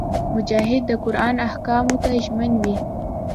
مجاهد د قران احکامو ته ژمن وي.